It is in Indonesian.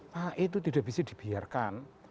nah itu tidak bisa dibiarkan